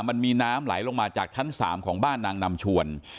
มันมีน้ำไหลลงมาจากชั้น๓ของบ้านนางนำชวน